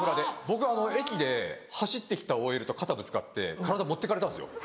僕駅で走って来たＯＬと肩ぶつかって体持ってかれたんですよ。